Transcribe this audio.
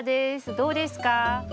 どうですか？